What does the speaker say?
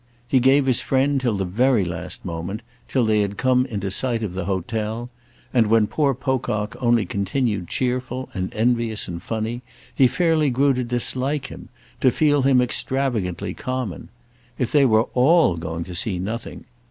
He gave his friend till the very last moment, till they had come into sight of the hotel; and when poor Pocock only continued cheerful and envious and funny he fairly grew to dislike him, to feel him extravagantly common. If they were all going to see nothing!